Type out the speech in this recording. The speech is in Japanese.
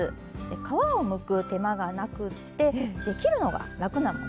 皮をむく手間がなくて切るのが楽なもの。